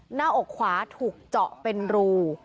หน้าอกขวาถูกเจาะเป็นรู